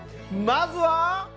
まずは。